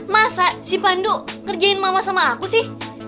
masa si pandu kerjain mama sama aku sih